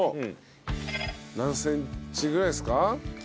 何センチぐらいですか？